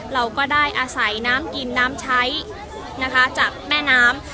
เราก็ได้อาศัยน้ำกินน้ำใช้นะคะจากแม่น้ำ